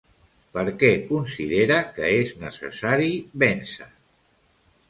Per què considera que és necessari vèncer?